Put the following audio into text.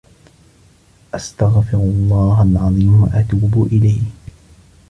استغفر الله العظيم واتوب اليه